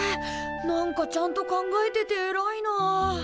なんかちゃん考えててえらいなあ。